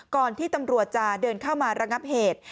ก่อนที่ตำรวจจะเดินเข้ามาระงับเหตุ